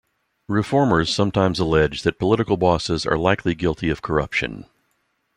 Reformers sometimes allege that political bosses are likely guilty of corruption.